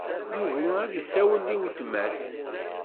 Yugi ad isiwel i weltma-s.